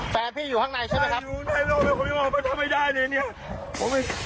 แต่พี่อยู่ข้างในใช่ไหมครับ